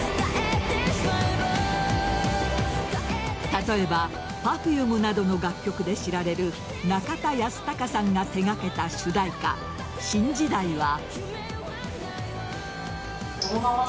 例えば、Ｐｅｒｆｕｍｅなどの楽曲で知られる中田ヤスタカさんが手がけた主題歌「新時代」は。